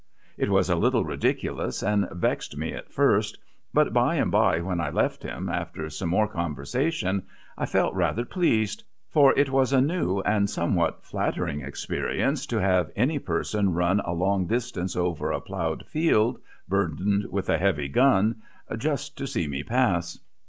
It was a little ridiculous and vexed me at first, but by and by when I left him, after some more conversation, I felt rather pleased; for it was a new and somewhat flattering experience to have any person run a long distance over a ploughed field, burdened with a heavy gun, "just to see me pass."